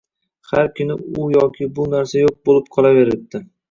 Har kuni u yoki bu narsa yo`q bo`lib qolaveribdi